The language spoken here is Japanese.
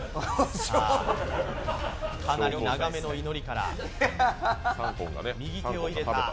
かなり長めの祈りから右手を入れた。